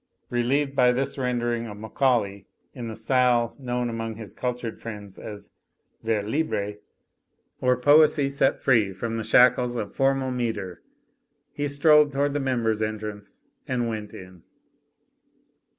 Relieved by this rendering of Macaulay in the style known among his cultured friends as vers libre, or poesy set free from the shackles of formal metre, he strolled toward the members' entrance and went in.